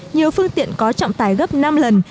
nhiều phương tiện có trọng tài gấp năm lần